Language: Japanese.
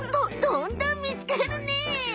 どんどんみつかるね！